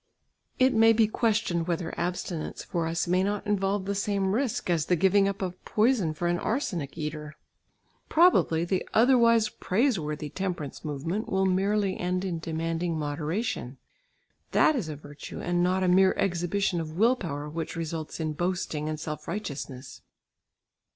It may be questioned whether abstinence for us may not involve the same risk, as the giving up of poison for an arsenic eater. Probably the otherwise praiseworthy temperance movement will merely end in demanding moderation; that is a virtue and not a mere exhibition of will power which results in boasting and self righteousness.